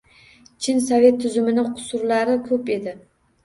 Chin, sovet tuzumini qusurlari ko‘p edi.